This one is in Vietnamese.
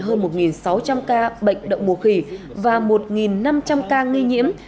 hơn một sáu trăm linh ca bệnh đậu mùa khỉ và một năm trăm linh ca nghi nhiễm